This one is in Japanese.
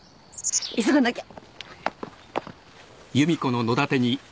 急がなきゃ。